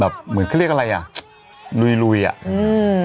เหมือนเขาเรียกอะไรอ่ะลุยลุยอ่ะอืม